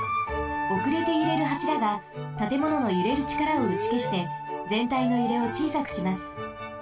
おくれてゆれるはしらがたてもののゆれるちからをうちけしてぜんたいのゆれをちいさくします。